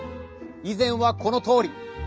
以前はこのとおり。